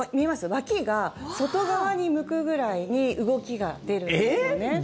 わきが外側に向くぐらいに動きが出るんですよね。